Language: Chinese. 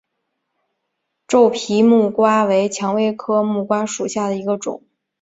皱皮木瓜为蔷薇科木瓜属下的一个种。